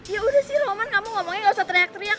ya udah sih roman kamu ngomongnya gak usah teriak teriak